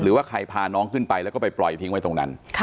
หรือว่าใครพาน้องขึ้นไปแล้วก็ไปปล่อยทิ้งไว้ตรงนั้น